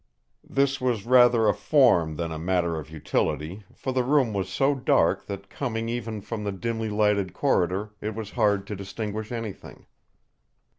This was rather a form than a matter of utility, for the room was so dark that coming even from the dimly lighted corridor it was hard to distinguish anything.